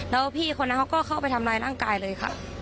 แล้วพี่คนนั้นเขาก็เข้าไปทำร้ายร่างกายเลยค่ะ